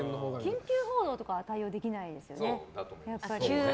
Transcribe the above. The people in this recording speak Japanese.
緊急報道とかは対応できないですよね。